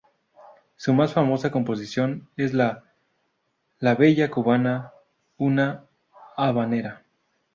Su más famosa composición es "La Bella Cubana", una habanera.